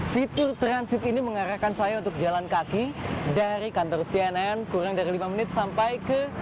fitur transit ini mengarahkan saya untuk jalan kaki dari kantor cnn kurang dari lima menit sampai ke